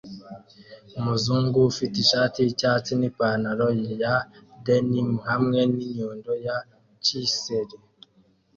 Umuzungu ufite ishati yicyatsi nipantaro ya denim hamwe ninyundo na chisel